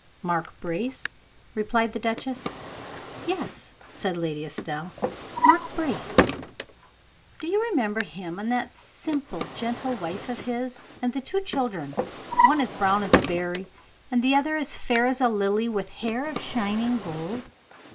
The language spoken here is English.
"Mark Brace?" replied the duchess. "Yes," said Lady Estelle; "Mark Brace. Do you remember him, and that simple, gentle wife of his, and the two children, one as brown as a berry, and the other as fair as a lily, with hair of shining gold?"